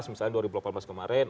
misalnya dua ribu delapan belas kemarin